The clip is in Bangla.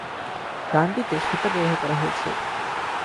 গানটিতে সেতার ব্যবহার করা হয়েছে।